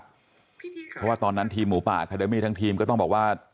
เพราะว่าตอนนั้นทีมหมูป่าอาคาเดมี่ทั้งทีมก็ต้องบอกว่า